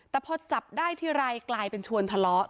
แต่พอจับได้ทีไรกลายเป็นชวนทะเลาะ